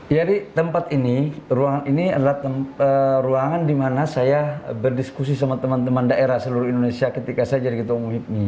jadi tempat ini ruangan ini adalah ruangan dimana saya berdiskusi sama teman teman daerah seluruh indonesia ketika saya jadi ketua umum hibni